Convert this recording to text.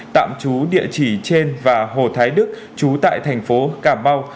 tạm trú địa chỉ trên và hồ thái đức trú tại thành phố cà mau